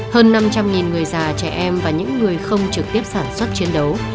hơn năm trăm linh người già trẻ em và những người không trực tiếp sản xuất chiến đấu